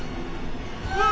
あ